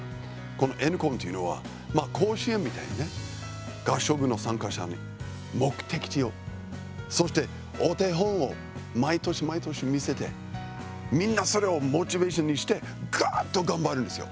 この「Ｎコン」というのはまあ、甲子園みたいにね合唱部の参加者に目的地をそしてお手本を毎年毎年、見せてみんな、それをモチベーションにしてがーっと頑張るんですよ。